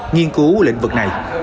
nhiên cứu lĩnh vực này